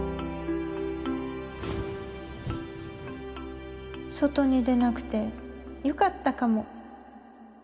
心の声外に出なくてよかったかも。